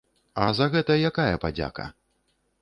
А за гэта якая падзяка?